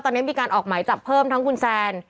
ตอนนี้มีการออกหมายจับเพิ่มทั้งคุณแซน